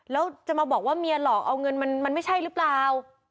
แล้วจะมาบอกว่าเมียหลอกเอาเงินมันไม่ใช่หรือเปล่า